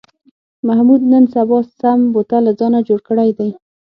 محمود نن سبا سم بوتل له ځانه جوړ کړی دی.